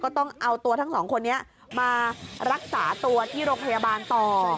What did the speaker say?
ต้องเอาตัวทั้งสองคนนี้มารักษาตัวที่โรงพยาบาลต่อ